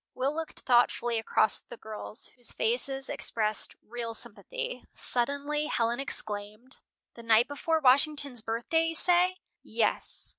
Will looked thoughtfully across at the girls, whose faces expressed real sympathy. Suddenly Helen exclaimed: "The night before Washington's birthday, you say?" "Yes."